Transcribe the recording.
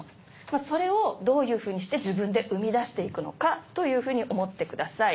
それをどういうふうにして自分で生み出して行くのかというふうに思ってください。